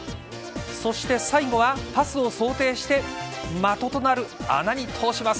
そして、最後はパスを想定して的となる穴に通します。